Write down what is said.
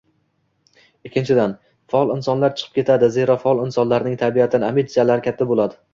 Ikkinchidan, faol insonlar chiqib ketadi, zero faol insonlarning tabiatan ambitsiyalari katta bo‘ladi